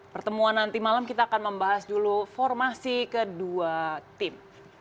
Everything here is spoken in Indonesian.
pertemuan nanti malam kita akan membahas dulu formasi kedua tim